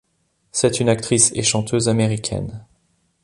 C'est une actrice et chanteuse américaine.